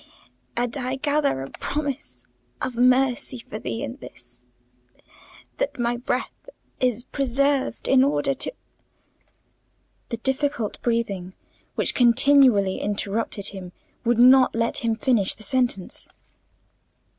And I gather a promise of mercy to thee in this, that my breath is preserved in order to—" The difficult breathing which continually interrupted him would not let him finish the sentence.